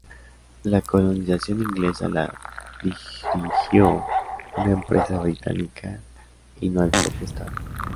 La colonización inglesa la dirigió una empresa británica, y no el propio Estado.